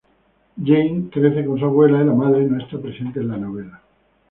Janie crece con su abuela, y la madre no está presente en la novela.